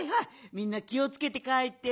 みんなきをつけてかえってね。